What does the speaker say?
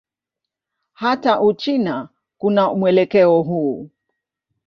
Hata Uchina kuna mwelekeo huu.